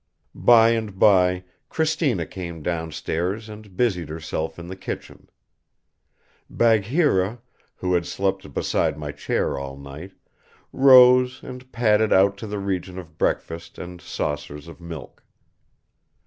By and by Cristina came downstairs and busied herself in the kitchen. Bagheera, who had slept beside my chair all night, rose and padded out to the region of breakfast and saucers of milk.